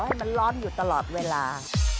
ให้มันร้อนอยู่ตลอดเวลา